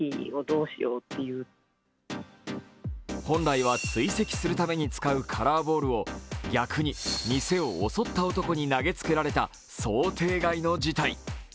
本来は追跡するために使うカラーボールを逆に、店を襲った男に投げつけられた想定外の事態。